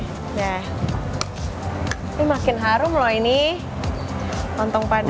ini makin harum loh ini lontong padang ya